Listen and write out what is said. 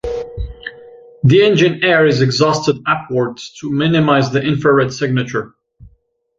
The engine air is exhausted upwards to minimize the infrared signature.